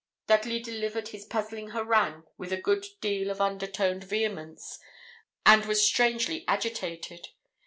Dudley delivered his puzzling harangue with a good deal of undertoned vehemence, and was strangely agitated.